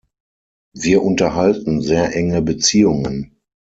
Wir unterhalten sehr enge Beziehungen.